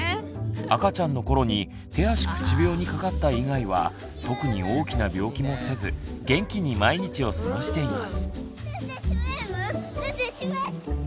赤ちゃんの頃に手足口病にかかった以外は特に大きな病気もせず元気に毎日を過ごしています。